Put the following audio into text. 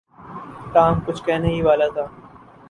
Tom کچھ کہنے ہی والا تھا۔